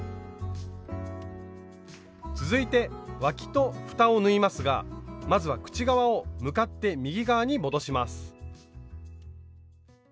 続いてわきとふたを縫いますがまずは口側を向かって右側に戻します。